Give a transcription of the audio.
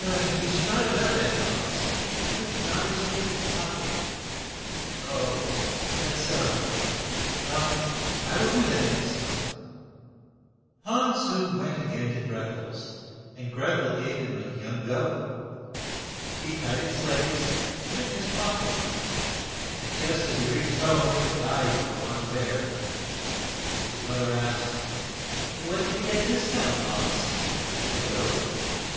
"You should not have done that, Hans ; you should put knives in your pock et." "Is that so? Well, I will do that the next time. " Hans soon went a gain to Greth el's, and Gretn el gave him a young goat. He tied its legs and put it in his pock et, and just as he reached home it died for want of air. His moth er asked, '' What did you get this time, Hans ?" "A goat.